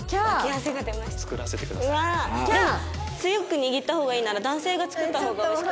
でも強く握った方がいいなら男性が作った方が美味しく。